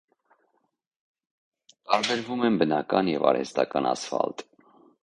Տարբերում են բնական և արհեստական ասֆալտ։